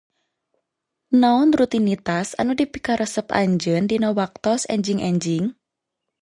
Naon rutinitas anu dipikaresep anjeun dina waktos enjing-enjing